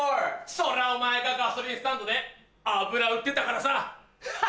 そりゃお前がガソリンスタンドで油売ってたからさ。